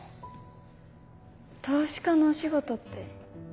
投資家のお仕事って。